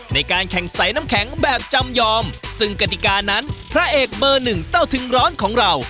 ในการแข่งสายน้ำแข็งแบบจำยอมซึ่งกติกานั้นพระเอกเบอร์หนึ่งเต้าถึงร้อนของเรา